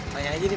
banyak aja nih